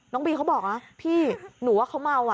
บีเขาบอกนะพี่หนูว่าเขาเมาอ่ะ